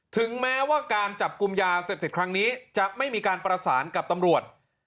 ถึงแม้ว่าการจับกลุ่มยาเสพติดครั้งนี้จะไม่มีการประสานกับตำรวจ